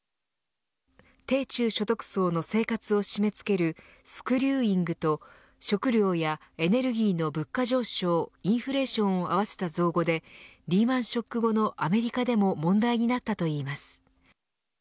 低中所得層の生活を締め付けるスクリューイングと食料やエネルギーの物価上昇インフレーションを合わせた造語でリーマン・ショック後のアメリカでも問題になったといいます。